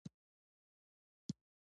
افغانستان کې غوښې د خلکو د خوښې وړ ځای دی.